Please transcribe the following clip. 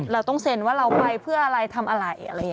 เราต้องเซ็นว่าเราไปเพื่ออะไรทำอะไรอะไรอย่างนี้